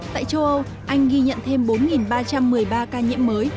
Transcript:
tại châu âu anh ghi nhận thêm bốn ba trăm một mươi ba ca nhiễm mới